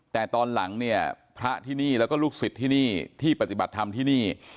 แต่ตอนหลังเนี่ยพระที่นี่แล้วก็ลูกศิษย์ที่นี่ที่ปฏิบัติธรรมที่นี่